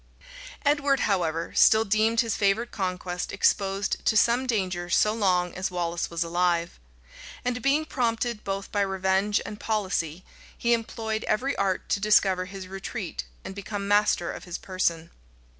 * Ryley, p. 506. {1305.} Edward, however, still deemed his favorite conquest exposed to some danger so long as Wallace was alive; and being prompted both by revenge and policy, he employed every art to discover his retreat, and become master of his person.